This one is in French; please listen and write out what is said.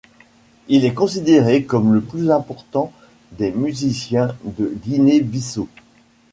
Il est considéré comme le plus important des musiciens de Guinée-Bissau.